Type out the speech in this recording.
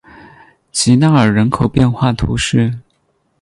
吉纳尔人口变化图示